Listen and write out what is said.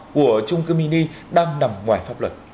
của chung cư mini đang nằm ngoài pháp luật